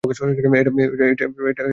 এটা কোনো গেম নয়।